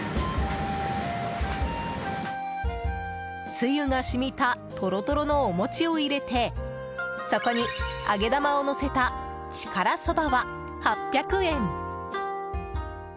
つゆが染みたとろとろのお餅を入れてそこに揚げ玉をのせたちからそばは８００円。